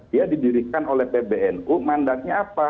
dia didirikan oleh pbnu mandatnya apa